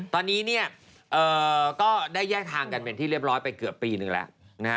ตอนนี้เนี่ยก็ได้แยกทางกันเป็นที่เรียบร้อยไปเกือบปีหนึ่งแล้วนะฮะ